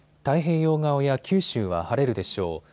太平洋側や九州は晴れるでしょう。